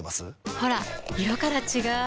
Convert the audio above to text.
ほら色から違う！